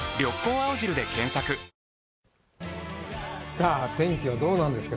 さあ天気はどうなんですか。